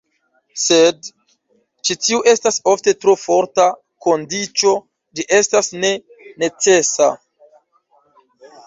Sed ĉi tiu estas ofte tro forta kondiĉo, ĝi estas ne "necesa".